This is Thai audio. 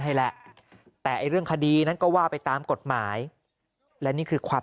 ให้แหละแต่เรื่องคดีนั้นก็ว่าไปตามกฎหมายและนี่คือความ